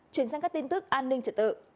chuyển sang các tin tức an ninh trật tự